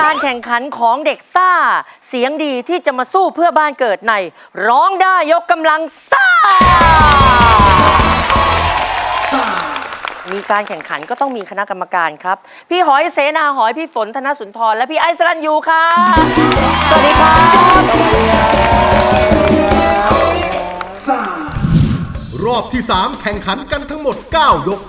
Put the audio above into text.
รอบที่๓แข่งขันกันทั้งหมด๙ยก